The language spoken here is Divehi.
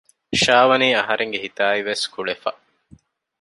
ޝާވަނީ އަހަރެންގެ ހިތާއިވެސް ކުޅެފަ